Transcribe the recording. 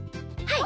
はい。